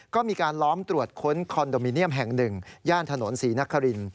ก็มีการล้อมตรวจค้นคอนโดมิเนียมแห่งหนึ่งย่านถนนศรีนคริน